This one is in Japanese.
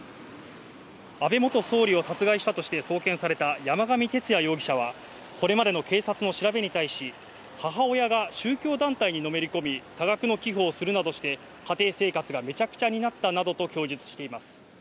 安倍元総理を殺害したとして送検された山上徹也容疑者はこれまでの警察の調べに対し、母親が宗教団体にのめりこみ、多額の寄付をするなどして家庭生活がめちゃくちゃになったなどと供述しています。